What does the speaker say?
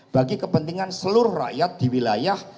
bagi kepentingan seluruh rakyat di wilayah